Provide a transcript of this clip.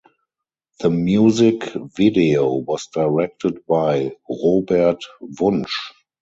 The music video was directed by Robert Wunsch.